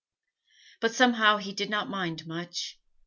But somehow he did not mind much.